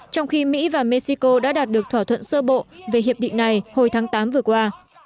trong khi mỹ và mexico đã đạt được thỏa thuận sơ bộ về hiệp định này hồi tháng tám vừa qua